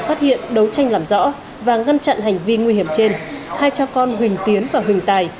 phát hiện đấu tranh làm rõ và ngăn chặn hành vi nguy hiểm trên hai cha con huỳnh tiến và huỳnh tài